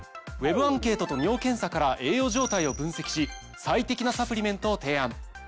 ＷＥＢアンケートと尿検査から栄養状態を分析し最適なサプリメントを提案。